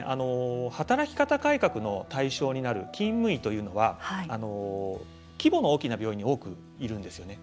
働き方改革の対象になる勤務医は規模の大きな病院に多くいるんですよね。